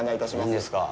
いいんですか。